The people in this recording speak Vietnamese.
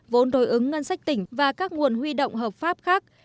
vốn đối ứng ngân sách tỉnh và các nguồn huy động hợp pháp khác